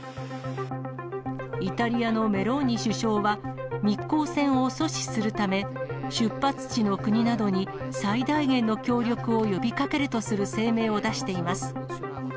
イタリアのメローニ首相は、密航船を阻止するため、出発地の国などに最大限の協力を呼びかけるとする声明を出しています。